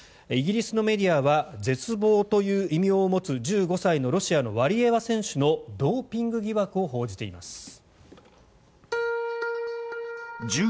イギリスのメディアは絶望という異名を持つ１５歳のロシアのワリエワ選手のドーピング疑惑を報じています。